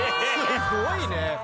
すごいね。